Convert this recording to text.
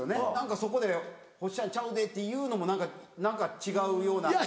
そこで「ほっしゃん。ちゃうで」って言うのも何か違うような。